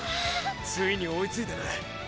ついに追いついたな！